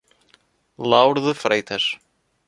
Lauro de Freitas